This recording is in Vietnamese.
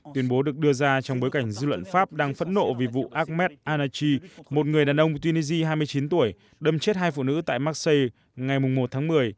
tuyên bố được đưa ra trong bối cảnh dư luận pháp đang phẫn nộ vì vụ ahmed annachi một người đàn ông tunisia hai mươi chín tuổi đâm chết hai phụ nữ tại maxi ngày một tháng một mươi